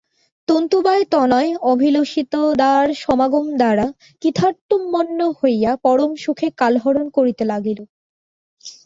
তন্তুবায়তনয় অভিলষিতদারসমাগম দ্বারা কৃতার্থম্মন্য হইয়া পরম সুখে কালহরণ করিতে লাগিল।